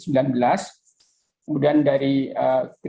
kemudian dari kris dari bloomberg